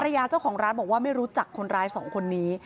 ยาเจ้าของร้านบอกว่าไม่รู้จักคนร้ายสองคนนี้